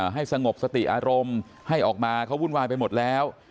สงบสติอารมณ์ให้ออกมาเขาวุ่นวายไปหมดแล้ว